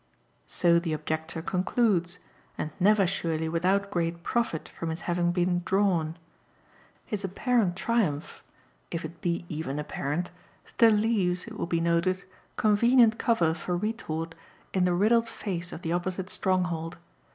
So the objector concludes, and never surely without great profit from his having been "drawn." His apparent triumph if it be even apparent still leaves, it will be noted, convenient cover for retort in the riddled face of the opposite stronghold.